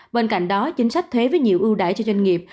bên cạnh đó chính sách thuế với nhiều ưu đại cho doanh nghiệp